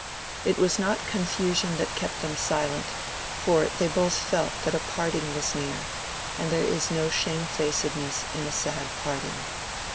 It was not confusion that kept them silent, for they both felt that parting was near, and there is no shamefacedness in a sad parting.